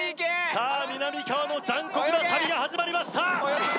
さあみなみかわの残酷な旅が始まりました泳げ！